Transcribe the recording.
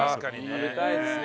食べたいですね